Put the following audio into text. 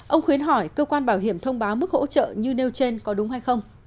ông khuyến hỏi cơ quan bảo hiểm thông báo mức hỗ trợ như nêu trên có đúng hay không